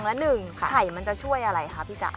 อย่างละ๑ไข่มันจะช่วยอะไรคะพี่จ๋า